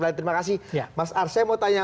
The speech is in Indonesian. lain terima kasih mas ars saya mau tanya